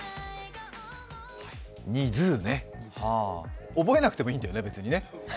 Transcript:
ＮＩＺＯＯね、覚えなくてもいいんだよね、別にね。